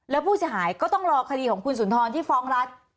แล้วผู้เสียหายก็ต้องรอคดีของคุณสุนทรที่ฟ้องรัฐ